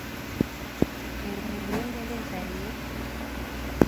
Engo mu Lungereza ye?